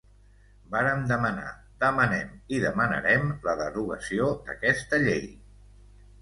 Vàrem demanar, demanem i demanarem la derogació d’aquesta llei.